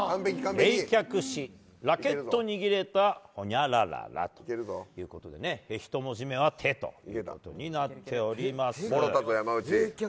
冷却しラケット握れたほにゃらららということで１文字目は「て」ということになっております。